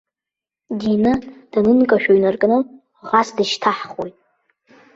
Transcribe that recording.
Дины данынкашәо инаркны, ӷас дышьҭаҳхуеит.